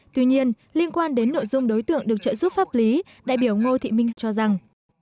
tuy nhiên liên quan đến nội dung đối tượng được trợ giúp pháp lý đại biểu ngô thị minh cho rằng